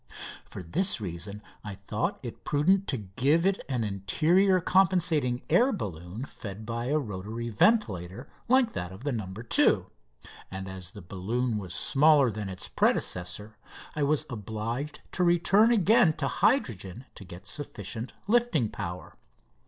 For this reason I thought it prudent to give it an interior compensating air balloon fed by a rotary ventilator like that of the "No. 2," and as the balloon was smaller than its predecessor I was obliged to return again to hydrogen to get sufficient lifting power.